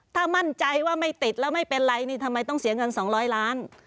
ถ้ามั่นใจว่าไม่ติดแล้วไม่เป็นไรนี่ทำไมต้องเสียเงิน๒๐๐ล้าน